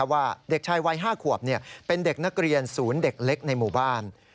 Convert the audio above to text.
ว่าเด็กชายวัย๕ขวบเป็นเด็กนักเรียนศูนย์เด็กเล็กในหมู่บ้าน